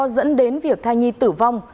dẫn đến việc thai nhi tử vong